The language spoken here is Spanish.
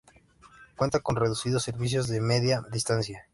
Cuenta con reducidos servicios de Media Distancia.